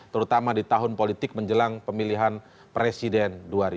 terutama di tahun politik menjelang pemilihan presiden dua ribu sembilan belas